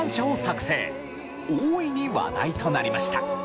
大いに話題となりました。